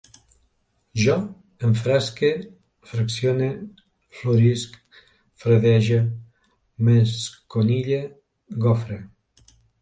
Jo enfrasque, fraccione, florisc, fredege, m'esconille, gofre